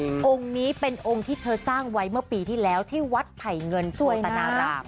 องค์นี้เป็นองค์ที่เธอสร้างไว้เมื่อปีที่แล้วที่วัดไผ่เงินจ้วยตนาราม